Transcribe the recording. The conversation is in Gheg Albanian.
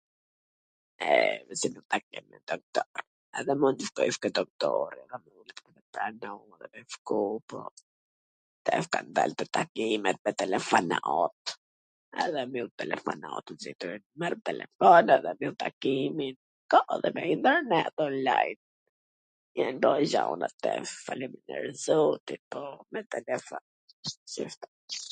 E, si mbyll njw takim te doktori. Edhe mund tw shkojsh te doktori. ... Tash kan dal kto takimet me telefona ...edhe mbyll telefonatwn qw don. Merr telefon edhe mbyll takimin, ka edhe me internet, on lajn, ... faleminderit, zotit, po me telefon,